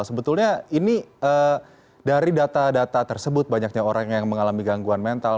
sebetulnya ini dari data data tersebut banyaknya orang yang mengalami gangguan mental